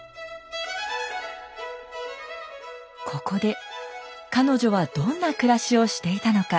ここで彼女はどんな暮らしをしていたのか。